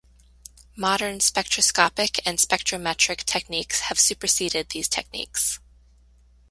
Modern spectroscopic and spectrometric techniques have superseded these techniques.